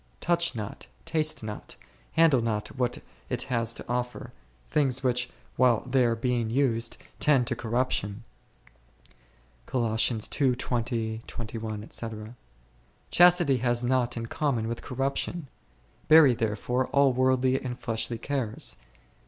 Touch not, taste not, handle not what it has to offer, things which, while they are being used, tend to corruption . Chastity has nought in common with corruption ; bury, there fore, all worldly and fleshly cares.